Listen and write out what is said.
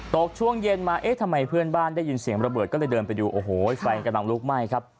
ตกช่วงเย็นมาเอ๊ะทำไมเพื่อนบ้านได้ยินเสียงระเบิดก็เลยเดินไปดูโอ้โหไฟกำลังลุกไหม้ครับ